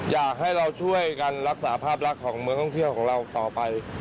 อยากให้เราช่วยกันรักษาภาพลักษณ์ของเมืองท่องเที่ยวของเราต่อไป